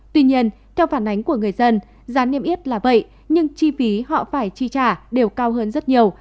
tuy nhiên theo phản ánh của người dân giá niêm yết là vậy nhưng chi phí họ phải chi trả đều cao hơn rất nhiều